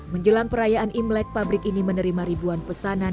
menjelang perayaan imlek pabrik ini menerima ribuan pesanan